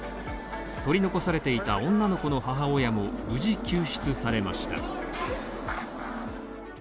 取り残されていた女の子の母親も無事救出されました。